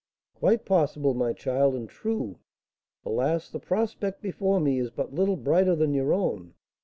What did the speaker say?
"Quite possible, my child, and true. Alas! the prospect before me is but little brighter than your own.